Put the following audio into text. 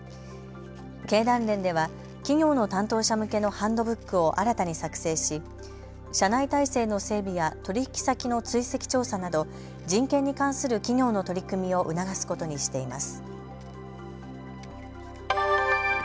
経団連では企業の担当者向けのハンドブックを新たに作成し社内体制の整備や取引先の追跡調査など人権に関する企業の取り組みを促すことにしています。